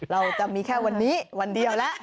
เราจะมีแค่วันนี้วันเดียวแล้ว